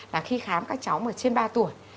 là khi khám các cháu mà trên ba tuổi